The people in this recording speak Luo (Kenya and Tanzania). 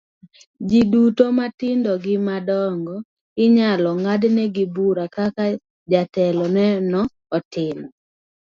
Ji duto matindo gi madongo inyalo ng'adnegi bura kaka jatelo no ne otimo.